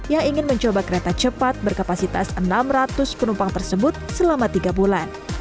yang ingin mencoba kereta cepat berkapasitas enam ratus penumpang tersebut selama tiga bulan